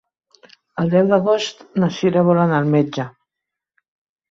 El deu d'agost na Sira vol anar al metge.